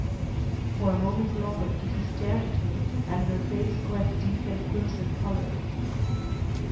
For a moment longer Kitty stared at me, and in her face crept deep and crimson color.